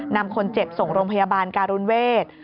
นำคนเจ็บส่งโรงพยาบาลการุณเวท